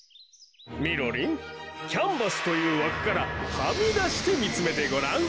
みろりんキャンバスというわくからはみだしてみつめてごらん。